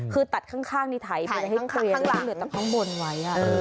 คือตัดข้างในไทยเพื่อให้เคลียร์ด้วยแต่ข้างบนไว้